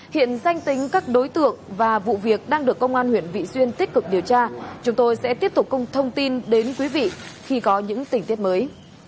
hiện danh tính các đối tượng và vụ việc đang được công an huyện vị xuyên tích cực điều tra chúng tôi sẽ tiếp tục cùng thông tin đến quý vị khi có những tình tiết mới